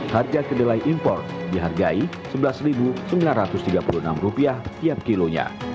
harga kedelai impor dihargai rp sebelas sembilan ratus tiga puluh enam tiap kilonya